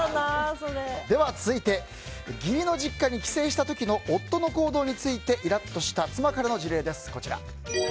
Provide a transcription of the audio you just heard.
続いて義理の実家に帰省した時の夫の行動についてイラッとした妻からの事例です。